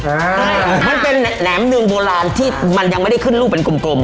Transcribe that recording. ครับอ่าเป็นแหนมเนืองโบราณที่มันยังไม่ได้ขึ้นรูปเป็นกลมกลม